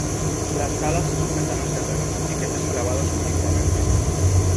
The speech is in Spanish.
Las talas se sujetan al terreno con piquetes clavados oblicuamente.